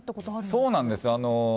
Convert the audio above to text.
そうなんですよ。